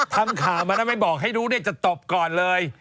ทำข่าวมาแล้วไม่บอกให้รู้จะตบก่อนเลย